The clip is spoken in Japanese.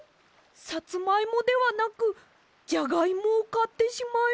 さつまいもではなくじゃがいもをかってしまいました。